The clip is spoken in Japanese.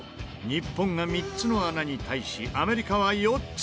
日本が３つの穴に対しアメリカは４つ。